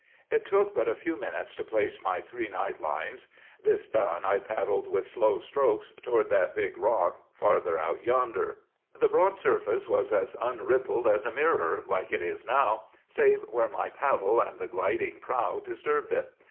"It took but a few minutes to place my three night lines. This done, I paddled with slow strokes toward that big rock far out yonder. "The broad surface was as unrippled as a mirror, like it is now, save where my paddle and the gliding prow disturbed it.